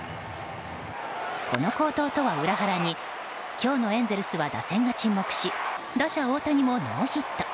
この好投とは裏腹に今日のエンゼルスは打線が沈黙し打者・大谷もノーヒット。